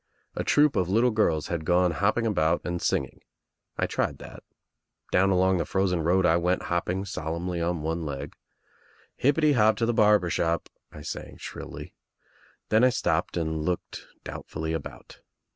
A troop of little girls had gone hopping about and singing. I tried that. Down along the frozen jToad I went hopping solemnly on one leg. "Hippity 54 THE TRIUMPH OF THE EGG Hop To The Barber Shop," I sang shrilly. Then I stopped and looked doubtfully about.